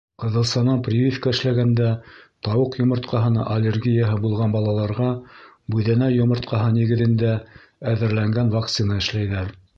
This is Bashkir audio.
Ҡыҙылсанан прививка эшләгәндә тауыҡ йомортҡаһына аллергияһы булған балаларға бүҙәнә йомортҡаһы нигеҙендә әҙерләнгән вакцина эшләйҙәр.